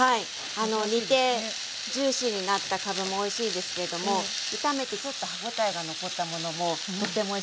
煮てジューシーになったかぶもおいしいですけれども炒めてちょっと歯ごたえが残ったものもとってもおいしいんですよ。